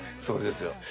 そうですよ。